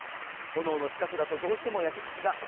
炎の近くだとどうしても汚れが焼きつきがち。